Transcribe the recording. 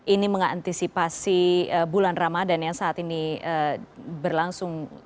ini mengantisipasi bulan ramadan yang saat ini berlangsung